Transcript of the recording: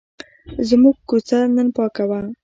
زموږ کوڅه نن پاکه وه.